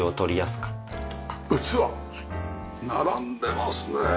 並んでますね。